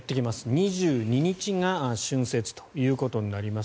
２２日が春節ということになります。